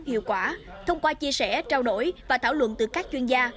hiệu quả thông qua chia sẻ trao đổi và thảo luận từ các chuyên gia